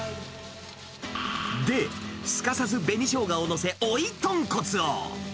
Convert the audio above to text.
で、すかさず紅ショウガを載せ、追い豚骨を。